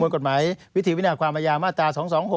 กฎหมายวิธีวินาความอายามาตรา๒๒๖๖